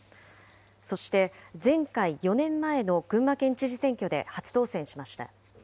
そして、前回・４年前の群馬県知事選挙で初当選しました。